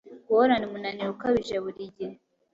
Guhorana umunaniro ukabije burigihe